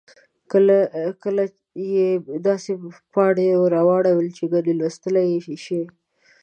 کله یې داسې پاڼې سره واړوئ چې ګنې لوستلای یې شئ.